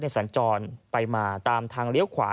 สัญจรไปมาตามทางเลี้ยวขวา